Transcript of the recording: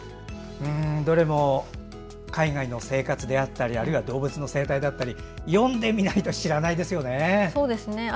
どれも海外の生活であったりあるいは動物の生態だったり読んでみないと知らないですよね。